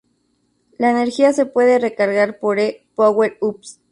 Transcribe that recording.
La energía se puede recargar por E power-ups.